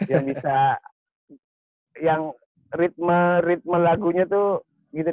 yang bisa yang ritme ritme lagunya tuh gitu